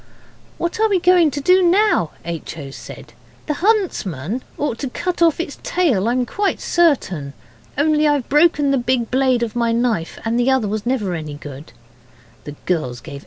'What are we going to do now?' H. O. said; 'the huntsman ought to cut off its tail, I'm quite certain. Only, I've broken the big blade of my knife, and the other never was any good.' The girls gave H.